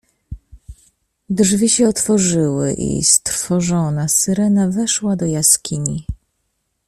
"Drzwi się otworzyły i strwożona Syrena weszła do jaskini."